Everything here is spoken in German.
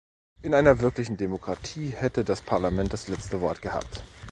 In einer wirklichen Demokratie hätte das Parlament das letzte Wort gehabt.